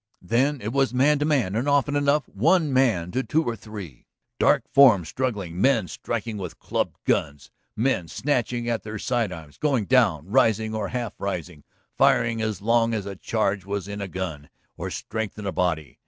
Then it was man to man and often enough one man to two or three, dark forms struggling, men striking with clubbed guns, men snatching at their side arms, going down, rising or half rising, firing as long as a charge was in a gun or strength in a body.